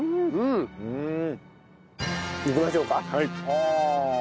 うん！いきましょうか。